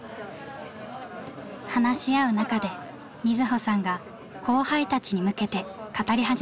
話し合う中で瑞穂さんが後輩たちに向けて語り始めました。